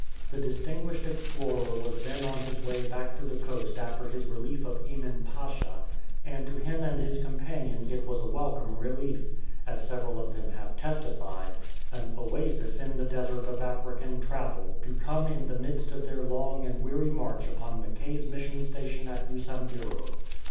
The distinguished explorer was then on his way back to the coast after his relief of Emin Pasha, and to him and his companions it was a welcome relief, as several of them have testified — an oasis in the desert of African travel, — to come in the midst of their long and weary march upon Mackay's mission station at Usambiro.